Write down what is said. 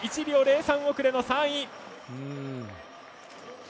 １秒０３遅れの３位。